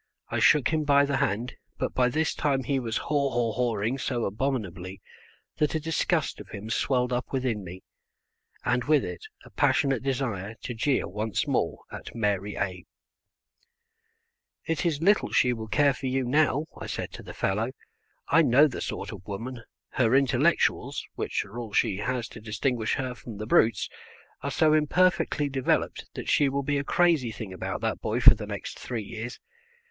I shook him by the hand, but by this time he was haw haw hawing so abominably that a disgust of him swelled up within me, and with it a passionate desire to jeer once more at Mary A "It is little she will care for you now," I said to the fellow; "I know the sort of woman; her intellectuals (which are all she has to distinguish her from the brutes) are so imperfectly developed that she will be a crazy thing about that boy for the next three years.